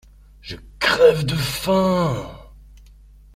Je crève de faim.